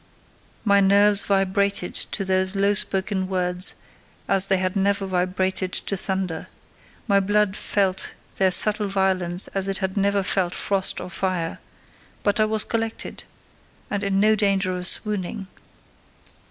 My nerves vibrated to those low spoken words as they had never vibrated to thunder—my blood felt their subtle violence as it had never felt frost or fire; but I was collected, and in no danger of swooning.